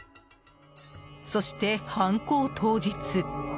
そして犯行当日。